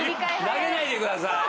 投げないでください。